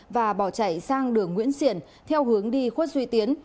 và bỏ chạy sang đường nguyễn xiển theo hướng đi khuất duy tiến